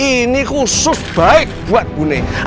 ini khusus baik buat bu nek